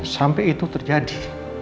sampai itu terjadi